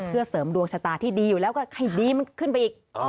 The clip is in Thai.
เพื่อเสริมดวงชะตาที่ดีอยู่แล้วก็ให้ดีมันขึ้นไปอีก